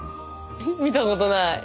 見たことない。